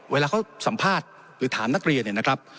เวลาเขาสัมภาษณ์หรือถามนักเรียนเนี่ยนะครับ